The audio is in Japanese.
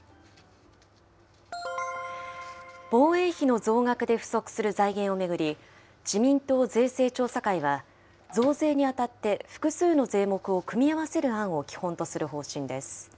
防衛費の増額で不足する財源を巡り、自民党税制調査会は、増税にあたって、複数の税目を組み合わせる案を基本とする方針です。